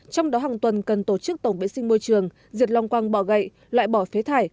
trong đó hàng tuần cần tổ chức tổng vệ sinh môi trường diệt long quang bọ gậy loại bỏ phế thải